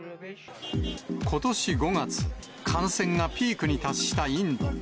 ことし５月、感染がピークに達したインド。